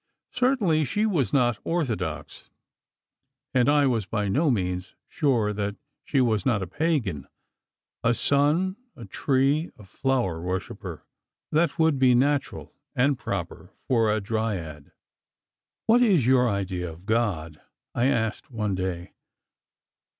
Certainly she was not orthodox, and I was by no means sure that she was not a pagan—a Sun , a tree , a flower worshipper—that would be natural, and proper, for a dryad. "What is your idea of God?" I asked, one day.